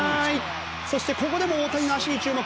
そしてここでも大谷の足に注目。